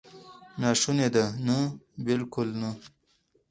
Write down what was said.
ناشونې ده؟ نه، بالکل نه!